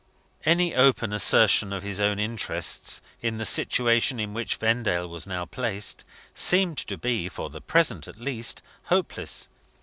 Any open assertion of his own interests, in the situation in which Vendale was now placed, seemed to be (for the present at least) hopeless.